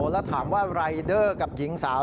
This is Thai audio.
แล้วถามว่ารายเดอร์กับหญิงสาว